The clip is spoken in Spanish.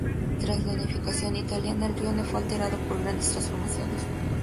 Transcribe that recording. Tras la unificación italiana, el "rione" fue alterado por grandes transformaciones.